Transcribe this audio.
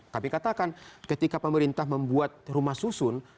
kami katakan ketika pemerintah membuat rumah susun